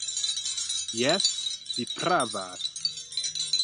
Jes, vi pravas.